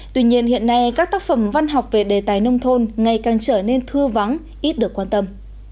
tuy nhiên hiện nay các tác phẩm văn học về đề tài nông thôn ngày càng trở nên thưa vắng ít được quan tâm